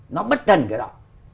nó bất cần cái đó